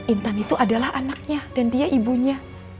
intan itu adalah anaknya dan dia ibunya